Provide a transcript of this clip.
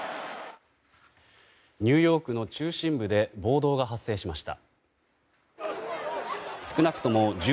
ニューヨークの中心部で暴動が発生しました。